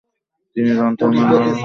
তিনি জানতেন না তাদেরকে কি বলবেন।